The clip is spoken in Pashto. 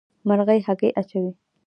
مرغۍ هګۍ اچوي.